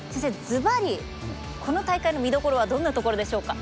ずばりこの大会の見どころはどんなところでしょうか。